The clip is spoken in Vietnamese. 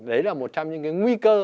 đấy là một trong những cái nguy cơ